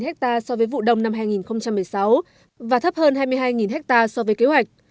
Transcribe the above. hai mươi hai hectare so với vụ đông năm hai nghìn một mươi sáu và thấp hơn hai mươi hai hectare so với kế hoạch